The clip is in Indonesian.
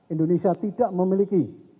indonesia tidak memiliki